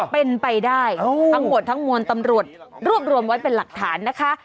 เป็นไปได้ทั้งหมดทั้งมวลตำรวจรวบรวมไว้เป็นหลักฐานนะคะ